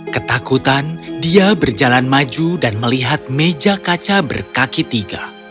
ketakutan dia berjalan maju dan melihat meja kaca berkaki tiga